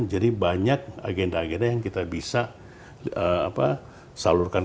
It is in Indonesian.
jadi banyak agenda agenda yang kita bisa salurkan